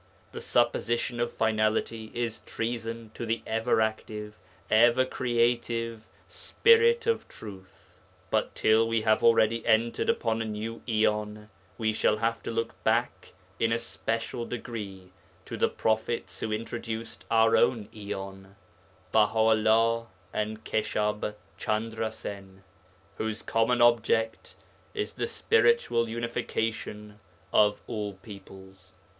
The supposition of finality is treason to the ever active, ever creative Spirit of Truth. But till we have already entered upon a new aeon, we shall have to look back in a special degree to the prophets who introduced our own aeon, Baha 'ullah and Keshab Chandra Sen, whose common object is the spiritual unification of all peoples.